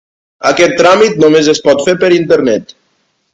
Aquest tràmit només es pot fer per Internet.